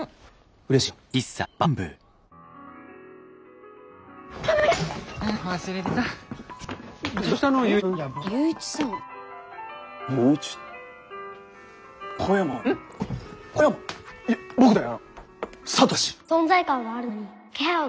うれしいよ。